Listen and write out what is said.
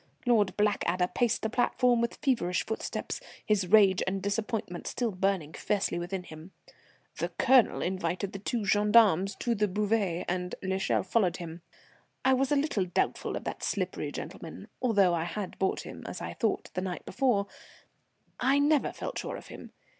Lord Blackadder paced the platform with feverish footsteps, his rage and disappointment still burning fiercely within him. The Colonel invited the two gendarmes to the buvette, and l'Echelle followed him. I was a little doubtful of that slippery gentleman; although I had bought him, as I thought, the night before, I never felt sure of him.